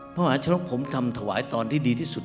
มหาชนกผมทำถวายตอนที่ดีที่สุด